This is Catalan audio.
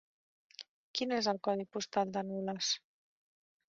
Quin és el codi postal de Nules?